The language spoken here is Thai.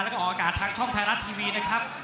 แล้วก็ออกอากาศทางช่องไทยรัฐทีวีนะครับ